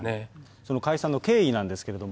その解散の経緯なんですけれども。